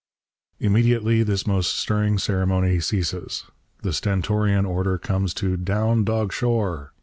Immediately this most stirring ceremony ceases, the stentorian order comes to 'Down dog shore!'